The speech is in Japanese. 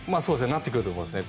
なってくると思いますね。